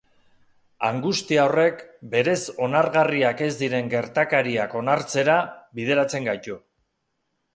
Angustia horrek berez onargarriak ez diren gertakariak onartzera bideratzen gaitu.